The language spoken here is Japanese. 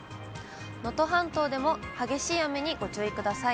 能登半島でも激しい雨にご注意ください。